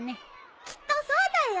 きっとそうだよ。